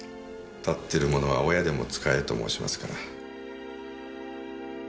立ってるものは親でも使えと申しますから。